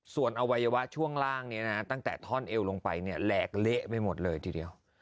ส่วนอวัยวะช่วงล่างนี้นะตั้งแต่ท่อนเอวลงไปเนี่ยแหลกเละไปหมดเลยทีเดียว